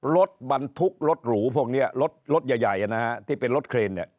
รถบรรทุกรถหรูพวกนี้รถใหญ่ที่เป็นรถเครน